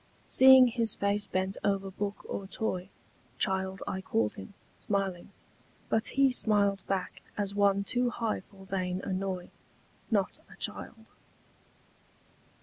Seeing his face bent over book or toy, Child I called him, smiling: but he smiled Back, as one too high for vain annoy— Not a child.